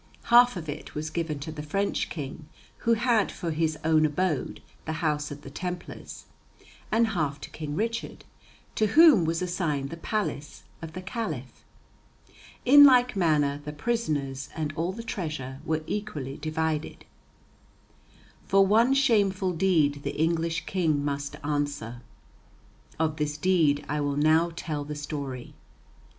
Half of it was given to the French king, who had for his own abode the House of the Templars, and half to King Richard, to whom was assigned the palace of the Caliph. In like manner the prisoners and all the treasure were equally divided. For one shameful deed the English King must answer. Of this deed I will now tell the story.